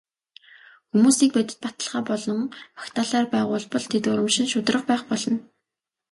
Хүмүүсийг бодит баталгаа болон магтаалаар байгуулбал тэд урамшин шударга байх болно.